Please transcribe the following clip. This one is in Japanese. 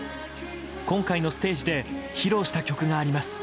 今回のステージで披露した曲があります。